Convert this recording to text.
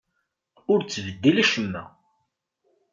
Ur ttbeddil acemma!